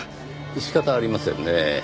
仕方ありませんねぇ。